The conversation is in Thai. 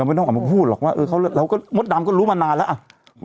เราไม่ต้องเอามาพูดหรอกว่าเออเขาเลิกเราก็มดดำก็รู้มานานแล้วอ่ะ